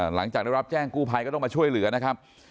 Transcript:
หลังจากได้รับแจ้งกู้ภัยก็ต้องมาช่วยเหลือนะครับ